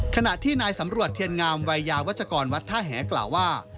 ขณะที่นายสำรวจเทียนงามวัยยาวัชกรวัดท่าแหกล่าวว่า